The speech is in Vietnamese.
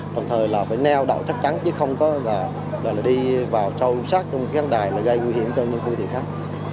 còn thời là phải neo đầu chắc chắn chứ không có là đi vào trâu sát trong cái căn đài là gây nguy hiểm cho những phương tiện khác